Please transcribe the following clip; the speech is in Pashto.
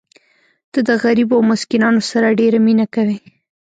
ته د غریبو او مسکینانو سره ډېره مینه کوې.